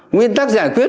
nguyên tắc giải quyết